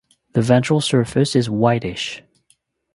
The ventral surface is whitish.